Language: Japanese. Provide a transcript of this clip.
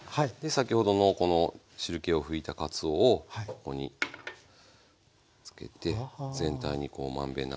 先ほどのこの汁けを拭いたかつおをここにつけて全体にこう満遍なくつけていきます。